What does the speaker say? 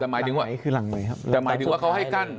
แต่หมายถึงไหวคือหลังใหม่ครับแต่หมายถึงว่าเขาให้กั้น